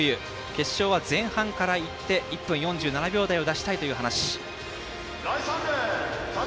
決勝は前半からいって１分４７秒台を出したいという話。